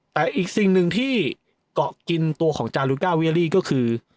แต่อีกสิ่งหนึ่งที่เกาะกินตัวของจารุก้าเวียรี่ก็คือ